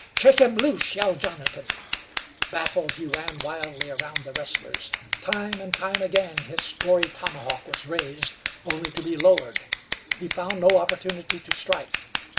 "Shake him loose," yelled Jonathan. Baffled, he ran wildly around the wrestlers. Time and time again his gory tomahawk was raised only to be lowered. He found no opportunity to strike.